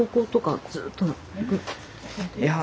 いや。